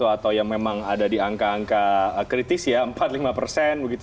atau memang ada di angka angka kritis